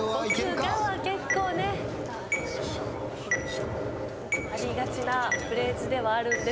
「僕が」は結構ねありがちなフレーズではあるんですけど。